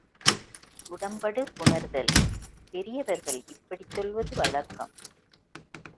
உடம்படுபுணர்தல் பெரியவர்கள் இப்படிச் சொல்வது வழக்கம்.